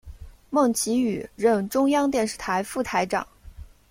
孟启予任中央电视台副台长。